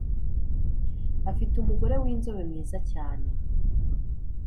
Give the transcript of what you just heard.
afite umugore w’inzobe mwiza cyane